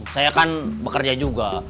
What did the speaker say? saya kan bekerja juga